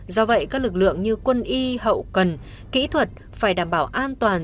do vậy các lực lượng như quân y hậu cần kỹ thuật phải đảm bảo an toàn